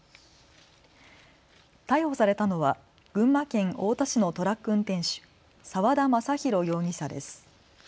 逮捕されたのは群馬県太田市のトラック運転手、澤田昌弘容疑者です。